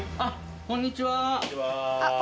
こんにちは。